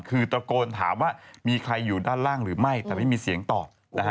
คือตะโกนถามว่ามีใครอยู่ด้านล่างหรือไม่แต่ไม่มีเสียงตอบนะฮะ